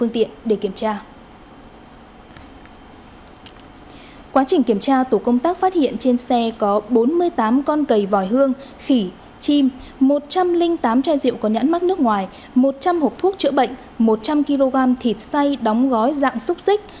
trên xe có bốn mươi tám con cầy vòi hương khỉ chim một trăm linh tám chai rượu có nhãn mắc nước ngoài một trăm linh hộp thuốc chữa bệnh một trăm linh kg thịt xay đóng gói dạng xúc xích